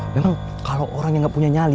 memang kalau orang yang gak punya nyali